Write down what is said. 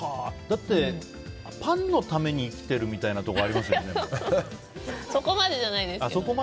だってパンのために生きてるみたいなとこそこまでじゃないですけど。